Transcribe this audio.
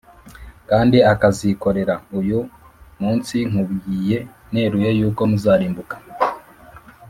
kandi ukazikorera, uyu munsi nkubwiye neruye yuko muzarimbuka